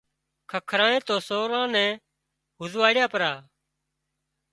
ککرانئي تو سوران نين هوزواڙيا پرا